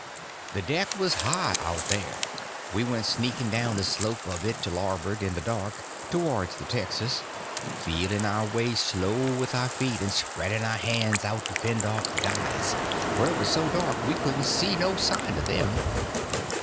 The deck was high out here. We went sneaking down the slope of it to labboard, in the dark, towards the texas, feeling our way slow with our feet, and spreading our hands out to fend off the guys, for it was so dark we couldn't see no sign of them.